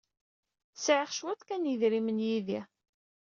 Sɛiɣ cwiṭ kan n yedrimen yid-i.